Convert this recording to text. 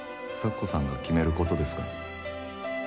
咲子さんが決めることですから。